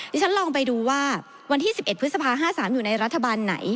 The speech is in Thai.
ที่ฉันลองไปดูว่าวันที่๑๑พฤษภา๕๓อยู่ในรัฐบาลไหน